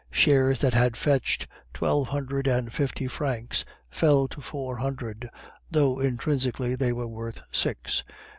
Shares that had fetched twelve hundred and fifty francs fell to four hundred, though intrinsically they were worth six.